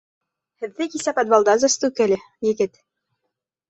Һеҙҙе кисә подвалда застукали, егет.